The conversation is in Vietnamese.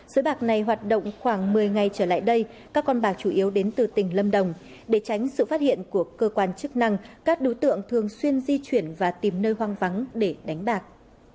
số bạc này hoạt động khoảng một mươi ngày trở lại đây các con bạc chủ yếu đến từ tỉnh lâm đồng để tránh sự phát hiện của cơ quan chức năng các đối tượng thường xuyên di chuyển và tìm nơi hoang vắng để đánh bạc